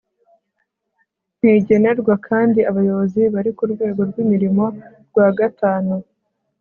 ntigenerwa kandi abayobozi bari ku rwego rw'imirimo rwa gatanu